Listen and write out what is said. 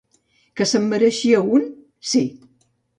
Que se'n mereixia un, sí.